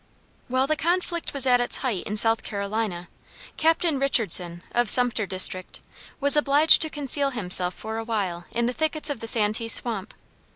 While the conflict was at its height in South Carolina, Captain Richardson, of Sumter district, was obliged to conceal himself for a while in the thickets of the Santee swamp.